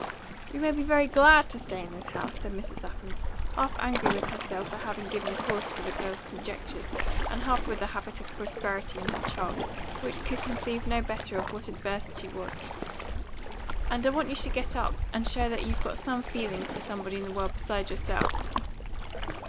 "We may be very GLAD to stay in this house," said Mrs. Lapham, half angry with herself for having given cause for the girl's conjectures, and half with the habit of prosperity in her child, which could conceive no better of what adversity was. "And I want you should get up and show that you've got some feeling for somebody in the world besides yourself."